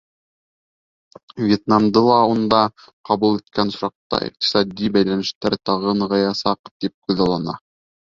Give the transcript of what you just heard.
Вьетнамды ла унда ҡабул иткән осраҡта иҡтисади бәйләнештәр тағы нығыясаҡ тип күҙаллана.